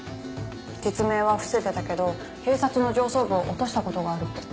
実名は伏せてたけど警察の上層部を落とした事があるって。